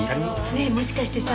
ねえもしかしてさ